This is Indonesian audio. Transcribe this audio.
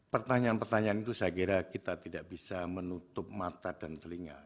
pertanyaan pertanyaan itu saya kira kita tidak bisa menutup mata dan telinga